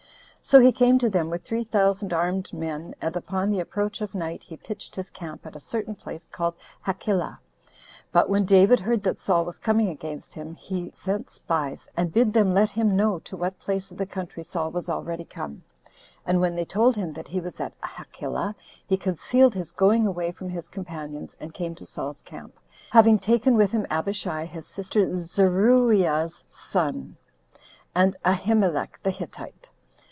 So he came to them with three thousand armed men; and upon the approach of night, he pitched his camp at a certain place called Hachilah. But when David heard that Saul was coming against him, he sent spies, and bid them let him know to what place of the country Saul was already come; and when they told him that he was at Hachilah, he concealed his going away from his companions, and came to Saul's camp, having taken with him Abishai, his sister Zeruiah's son, and Ahimelech the Hittite.